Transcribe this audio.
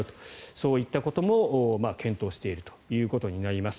そういったことも検討しているということになります。